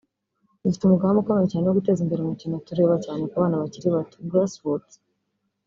Dufite umugambi ukomeye cyane wo guteza imbere umukino tureba cyane ku bana bakiri bato (Grassroots)